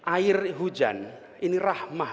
air hujan ini rahmah